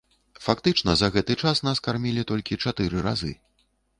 Фактычна за гэты час нас кармілі толькі чатыры разы.